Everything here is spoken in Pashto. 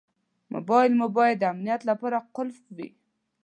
موبایل مو باید د امنیت لپاره قلف وي.